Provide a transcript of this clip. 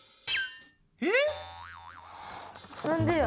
えっ？